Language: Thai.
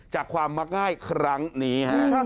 จากความมักง่ายครั้งนี้ฮะ